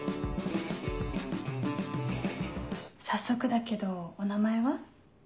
早速だけどお名前は？